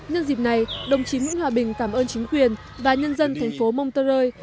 nhân dịp này đồng chí nguyễn hòa bình cảm ơn chính quyền và nhân dân thành phố montreux